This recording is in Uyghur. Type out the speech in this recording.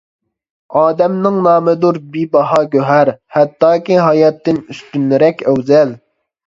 ئادەمنىڭ نامىدۇر بىباھا گۆھەر، ھەتتاكى ھاياتتىن ئۈستۈنرەك ئەۋزەل.